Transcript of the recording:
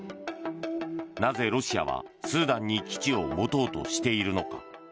なぜロシアは、スーダンに基地を持とうとしているのか。